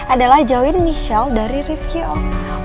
adalah jauhin michelle dari rifki om